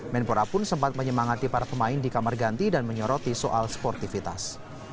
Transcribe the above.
menpora pun sempat menyemangati para pemain di kamar ganti dan menyoroti soal sportivitas